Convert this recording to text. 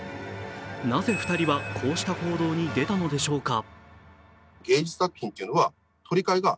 なぜ２人はこうした行動に出たのでしょうか。